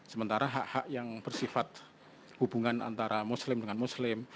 sementara hak hak yang bersifat hubungan antara muslim dengan muslim